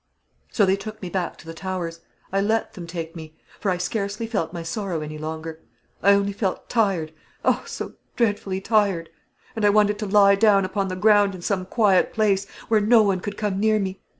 "So they took me back to the Towers. I let them take me; for I scarcely felt my sorrow any longer. I only felt tired; oh, so dreadfully tired; and I wanted to lie down upon the ground in some quiet place, where no one could come near me.